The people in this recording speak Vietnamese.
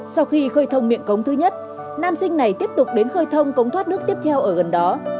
sau khi khơi thông miệng cống thứ nhất nam sinh này tiếp tục đến khơi thông cống thoát nước tiếp theo ở gần đó